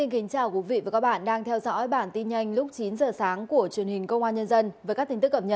hãy đăng ký kênh để ủng hộ kênh của chúng mình nhé